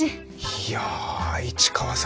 いやぁ市川さん